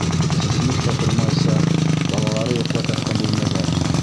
Сисенеп тә тормайса, балалары йоҡлап ятҡан бүлмәгә инде.